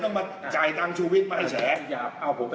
ต้องมาเอามาจ่ายชีวิตอ้าว๖๘๕๐๐๓